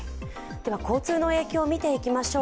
交通の影響を見ていきましょう。